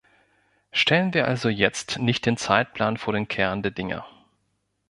Stellen wir also jetzt nicht den Zeitplan vor den Kern der Dinge.